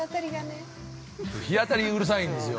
◆そう、日当たりうるさいんですよ。